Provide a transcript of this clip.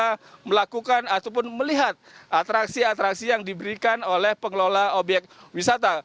mereka melakukan ataupun melihat atraksi atraksi yang diberikan oleh pengelola obyek wisata